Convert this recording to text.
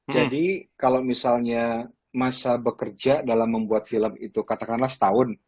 jadi kalau misalnya masa bekerja dalam membuat film itu katakanlah setahun